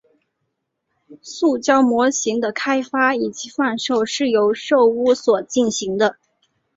塑胶模型的开发以及贩售是由寿屋所进行的。